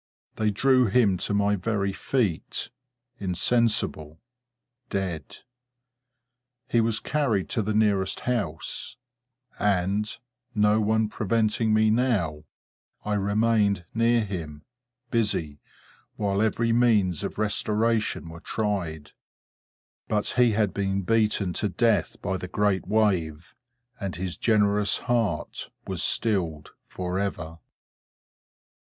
They drew him to my very feet—insensible—dead. He was carried to the nearest house; and, no one preventing me now, I remained near him, busy, while every means of restoration were tried; but he had been beaten to death by the great wave, and his generous heart was stilled forever.